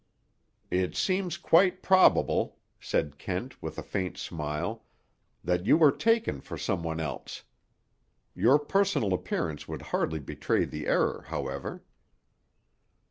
"It seems quite probable," said Kent with a faint smile, "that you were taken for some one else. Your personal appearance would hardly betray the error, however."